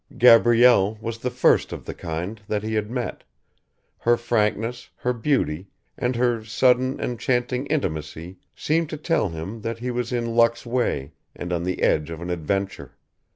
Gabrielle was the first of the kind that he had met, her frankness, her beauty, and her sudden, enchanting intimacy seemed to tell him that he was in luck's way and on the edge of an adventure.